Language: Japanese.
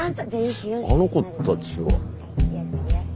あの子たちは。